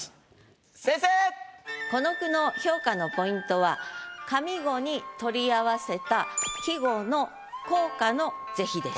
この句の評価のポイントは上五に取り合わせた季語の効果の是非です。